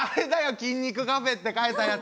筋肉カフェって書いたやつ！